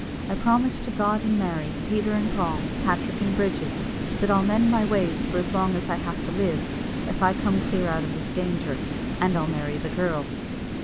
I promise to God and Mary, Peter and Paul, Patrick and Bridget, that I'll mend my ways for as long as I have to live, if I come clear out of this danger and I'll marry the girl."